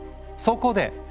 そこで！